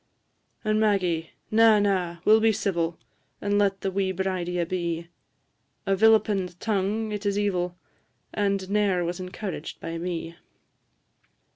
And Maggie na, na! we 'll be civil, And let the wee bridie abee; A vilipend tongue it is evil, And ne'er was encouraged by me.